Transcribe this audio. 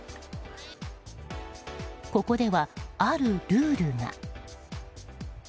ここでは、あるルールが。